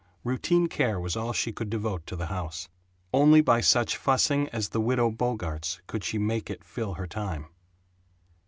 Routine care was all she could devote to the house. Only by such fussing as the Widow Bogart's could she make it fill her time.